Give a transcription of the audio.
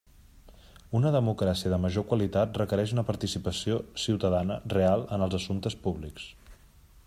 Una democràcia de major qualitat requereix una participació ciutadana real en els assumptes públics.